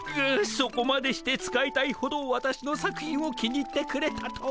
そこまでして使いたいほどわたしの作品を気に入ってくれたとは。